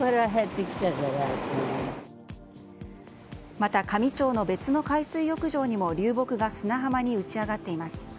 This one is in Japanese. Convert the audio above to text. また香美町の別の海水浴場にも流木が砂浜に打ち揚がっています。